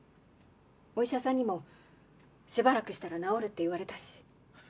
お医者さんにもしばらくしたら治るって言われたし。